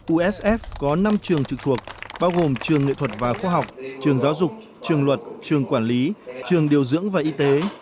ussf có năm trường trực thuộc bao gồm trường nghệ thuật và khoa học trường giáo dục trường luật trường quản lý trường điều dưỡng và y tế